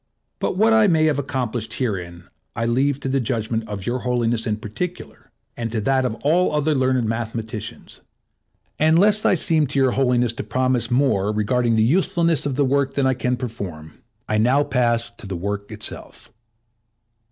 But what I may have accomplished herein I leave to the judgment of Your Holiness in particular, and to that of all other learned mathematicians; and lest I seem to Your Holiness to promise more regarding the usefulness of the work than I can perform, I now pass to the work itself.